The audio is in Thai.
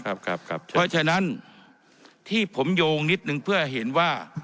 เพราะฉะนั้นที่ผมโยงนิดนึงเพื่อเห็นว่า